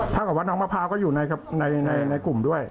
กับว่าน้องมะพร้าวก็อยู่ในกลุ่มด้วย